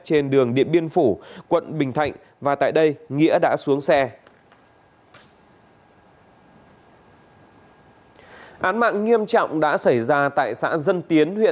trên đường điện biên phủ quận bình thạnh và tại đây nghĩa đã xuống xe